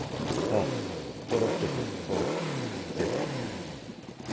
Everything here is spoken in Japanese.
もう５６曲をやって。